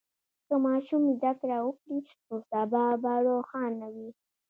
که ماشوم زده کړه وکړي، نو سبا به روښانه وي.